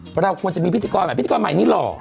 เพราะเราควรจะมีพิธีกรใหม่พิธีกรใหม่นี้หล่อ